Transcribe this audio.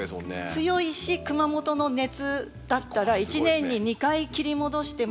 強いし熊本の熱だったら１年に２回切り戻してもまた花が戻ってくる。